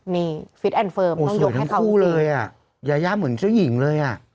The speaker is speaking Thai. นี่ฟิตแอนดเฟิร์มต้องยกให้ทั้งคู่เลยอ่ะยายาเหมือนเจ้าหญิงเลยอ่ะ